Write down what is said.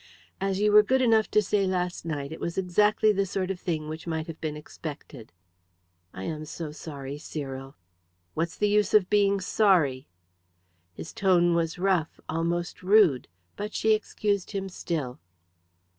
As you were good enough to say last night, it was exactly the sort of thing which might have been expected." "I am so sorry, Cyril." "What's the use of being sorry?" His tone was rough, almost rude. But she excused him still.